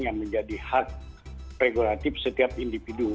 yang menjadi hak regulatif setiap individu